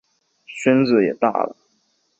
孙子也都大了